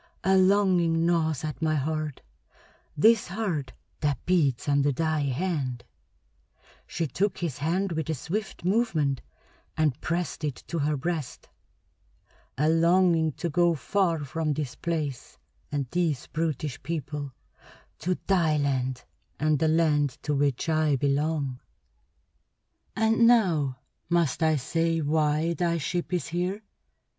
A longing gnaws at my heart this heart that beats under thy hand" she took his hand with a swift movement and pressed it to her breast "a longing to go far from this place and these brutish people, to thy land and the land to which I belong. "And now must I say why thy ship is here?